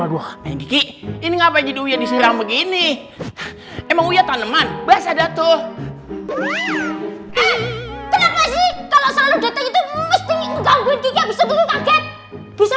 aduh ini ngapain jadi diserang begini emang taneman bahasa datuh kalau datang itu bisa